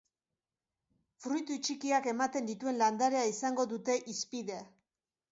Fruitu txikiak ematen dituen landarea izango dute hizpide.